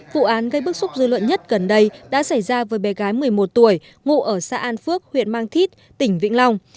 vụ án gây bức xúc dư luận nhất gần đây đã xảy ra với bé gái một mươi một tuổi ngụ ở xã an phước huyện mang thít tỉnh vĩnh long